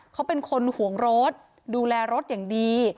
เขาเป็นคนห่วงรถดูแลรถอย่างดี